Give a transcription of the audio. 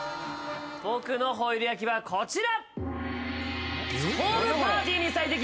僕のホイル焼きはこちら！